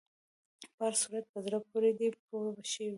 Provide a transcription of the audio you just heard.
په هر صورت په زړه پورې دی پوه شوې!.